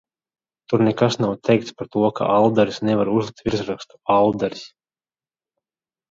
"Tur nekas nav teikts par to, ka "Aldaris" nevar uzlikt virsrakstu "Aldaris"."